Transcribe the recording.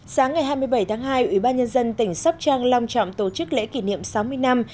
sáng ngày hai mươi bảy tháng hai ủy ban nhân dân tỉnh sóc trang long trọng tổ chức lễ kỷ niệm sáu mươi năm